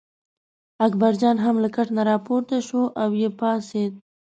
اکبرجان هم له کټ نه راپورته شو او یې پاڅېد.